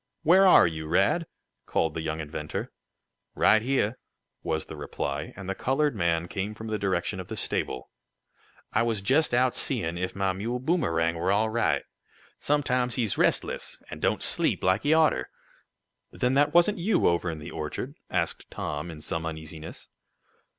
"Where are you, Rad?" called the young inventor. "Right heah," was the reply, and the colored man came from the direction of the stable. "I were jest out seein' if mah mule Boomerang were all right. Sometimes he's restless, an' don't sleep laik he oughter." "Then that wasn't you over in the orchard?" asked Tom, in some uneasiness.